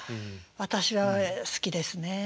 私は好きですね。